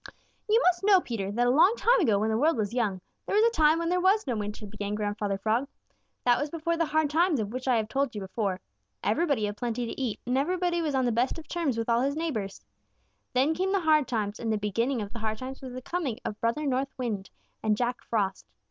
"You must know, Peter, that a long time ago when the world was young, there was a time when there was no winter," began Grandfather Frog. "That was before the hard times of which I have told you before. Everybody had plenty to eat, and everybody was on the best of terms with all his neighbors. Then came the hard times, and the beginning of the hard times was the coming of rough Brother North Wind and Jack Frost.